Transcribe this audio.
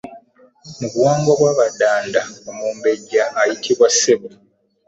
Mu buwangwa bw'abadanda omumbejja ayitibwa ssebo.